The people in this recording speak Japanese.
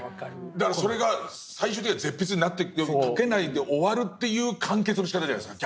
だからそれが最終的には絶筆になっていく描けないで終わるという完結のしかたじゃないですか。